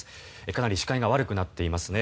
かなり視界が悪くなっていますね。